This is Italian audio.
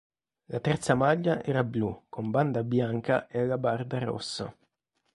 La terza maglia era blu con banda bianca e alabarda rossa.